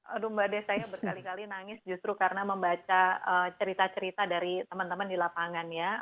aduh mbak desa saya berkali kali nangis justru karena membaca cerita cerita dari teman teman di lapangan ya